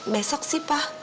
besok sih pa